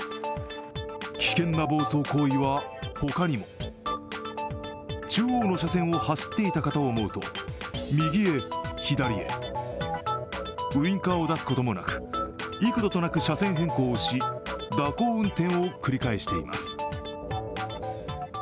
危険な暴走行為は他にも中央の車線を走っていたかと思うと右へ左へ、ウインカーを出すこともなく、幾度となく車線変更し、蛇行運転を繰り返しています。